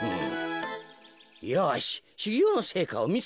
よししゅぎょうのせいかをみせてみよ。